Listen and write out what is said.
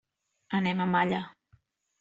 Anem a Malla.